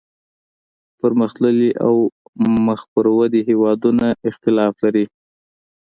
پرمختللي او مخ پر ودې هیوادونه اختلاف لري